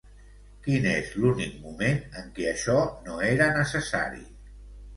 Quin és l'únic moment en què això no era necessari?